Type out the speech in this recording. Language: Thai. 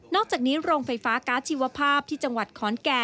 อกจากนี้โรงไฟฟ้าการ์ดชีวภาพที่จังหวัดขอนแก่น